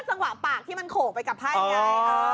ไม่ก็สังหวะปากที่มันโขไปกลับให้ไง